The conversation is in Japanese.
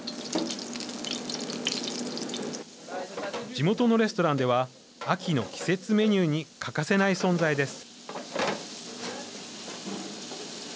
地元のレストランでは秋の季節メニューに欠かせない存在です。